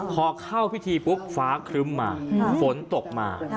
พอเข้าพิธีปุ๊บฟ้าครึ้มมาฝนตกมา